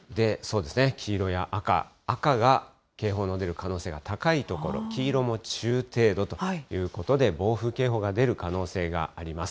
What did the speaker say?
黄色や赤、赤が警報の出る可能性が高い所、黄色も中程度ということで、暴風警報が出る可能性があります。